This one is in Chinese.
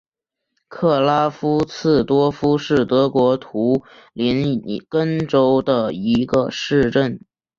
克拉夫茨多夫是德国图林根州的一个市镇。